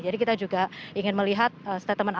jadi kita juga ingin melihat statementnya